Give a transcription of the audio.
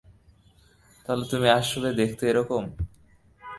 তাহলে তুমি আসলে দেখতে এরকম।